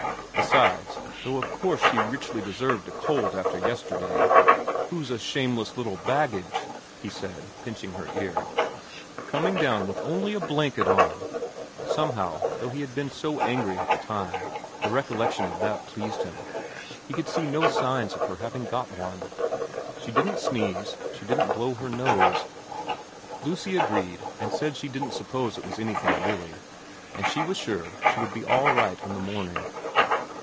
Besides, though of course she richly deserved a cold after yesterday ' Who's a shameless little baggage,' he said, pinching her ear, ' coming down with only a blanket on ' somehow, though he had beep so angry at the time, the recollection of that pleased him he could see no signs of her having got one. She didn't sneeze, she didn't blow her nose Lucy agreed, and said she didn't suppose it was anything really, and she was sure she would be all right in the morning.